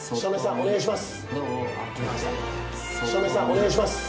お願いします